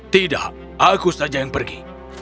tidak aku saja yang pergi